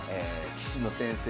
棋士の先生